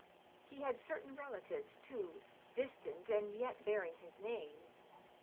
He had certain relatives, too, distant and yet bearing his name.